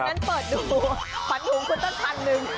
วันนั้นเปิดหนูขวัญถุงคุณต้นพันหนึ่ง